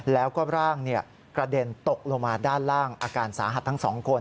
แล้วก็ร่างกระเด็นตกลงมาด้านล่างอาการสาหัสทั้งสองคน